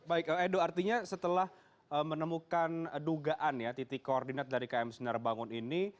baik edo artinya setelah menemukan dugaan ya titik koordinat dari km sinar bangun ini